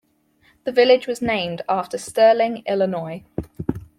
The village was named after Sterling, Illinois.